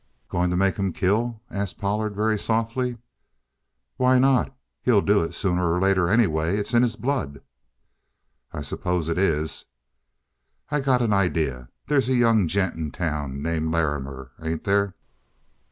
"Going to make him kill?" asked Pollard very softly. "Why not? He'll do it sooner or later anyway. It's in his blood." "I suppose it is." "I got an idea. There's a young gent in town named Larrimer, ain't there?"